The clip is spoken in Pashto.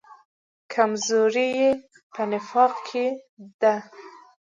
کمزوري یې په نفاق کې ده.